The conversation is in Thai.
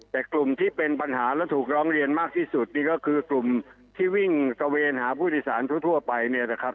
แต่กลุ่มที่เป็นปัญหาและถูกร้องเรียนมากที่สุดนี่ก็คือกลุ่มที่วิ่งตะเวนหาผู้โดยสารทั่วไปเนี่ยนะครับ